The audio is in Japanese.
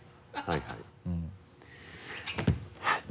はいはい。